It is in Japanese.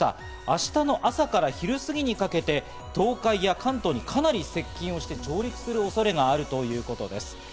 明日の朝から昼過ぎにかけて、東海や関東にかなり接近をして上陸する恐れがあるということです。